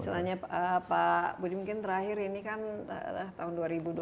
istilahnya pak budi mungkin terakhir ini kan tahun dua ribu dua puluh